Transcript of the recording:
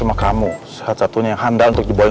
empa sudah sakit gak kita malah